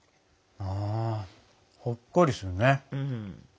うんほっこりするね。